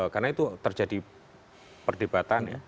karena itu terjadi perdebatan ya